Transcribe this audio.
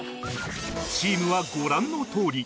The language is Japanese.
チームはご覧のとおり